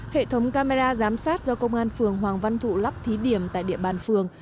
hệ thống camera giám sát do công an phường hoàng văn thụ lắp thí điểm tại địa bàn phường